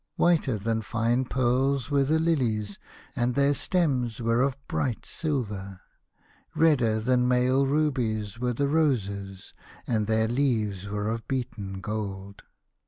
Whiter than fine pearls were the lilies, and their stems were of bright silver. Redder than male rubies were the roses, and their leaves were of beaten gold.